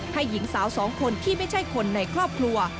หญิงสาวสองคนที่ไม่ใช่คนในครอบครัว